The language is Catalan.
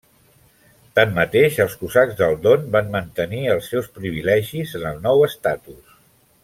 Tanmateix els cosacs del Don van mantenir els seus privilegis en el nou estatus.